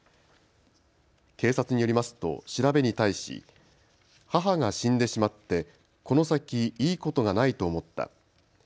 警察によりますと、調べに対し母が死んでしまってこの先いいことがないと思った。